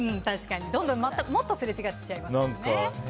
どんどんもっとすれ違っちゃいますね。